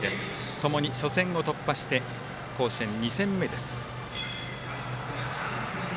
ともに初戦を突破して甲子園２戦目です。